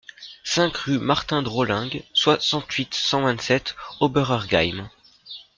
cinq rue Martin Drolling, soixante-huit, cent vingt-sept, Oberhergheim